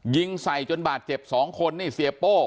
ยิงใส่จนบาดเจ็บ๒คนนี่เสียโป้